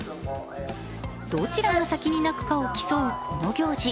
どちらが先に泣くかを競うこの行事。